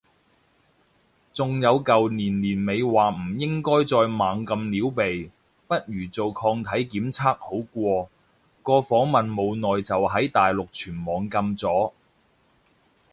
仲有舊年年尾話唔應該再猛咁撩鼻，不如做抗體檢測好過，個訪問冇耐就喺大陸全網禁咗